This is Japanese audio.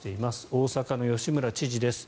大阪の吉村知事です。